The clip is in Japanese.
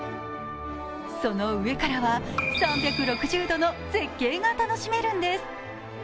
その上からは３６０度の絶景が楽しめるんです。